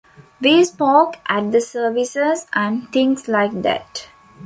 We spoke at the services and things like that.